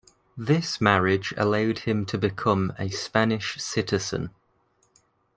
This marriage allowed him to become a Spanish citizen.